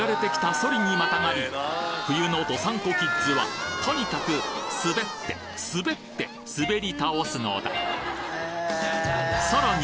ソリにまたがり冬の道産子キッズはとにかく滑って滑って滑りたおすのださらに